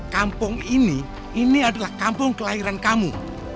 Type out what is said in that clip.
kampung ini ini adalah kampung kelahiran kamu